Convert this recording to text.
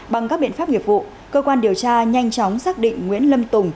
bằng các biện pháp nghiệp vụ cơ quan điều tra nhanh chóng xác định nguyễn lâm tùng